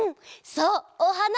そうおはな！